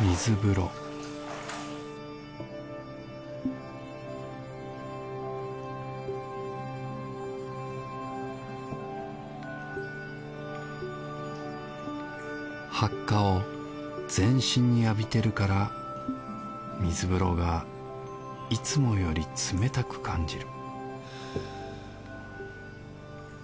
水風呂はっかを全身に浴びてるから水風呂がいつもより冷たく感じる